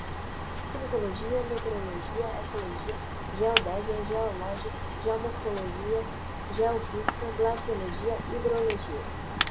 climatologia, meteorologia, ecologia, geodesia, geologia, geomorfologia, geofísica, glaciologia, hidrologia